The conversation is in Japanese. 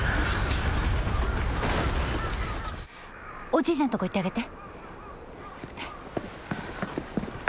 おじいちゃんとこ行ってあげて